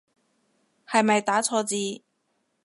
係咪打錯字